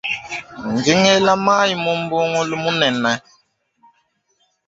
Ndi ngela mayi mu mbungulu munene.